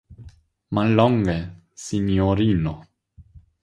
Mallonge, sinjorino.